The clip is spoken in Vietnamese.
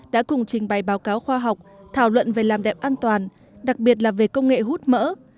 đã cùng trình bày báo cáo khoa học thảo luận về làm đẹp an toàn đặc biệt là về công nghệ hút mỡ